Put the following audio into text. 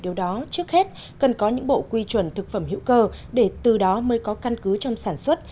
điều đó trước hết cần có những bộ quy chuẩn thực phẩm hữu cơ để từ đó mới có căn cứ trong sản xuất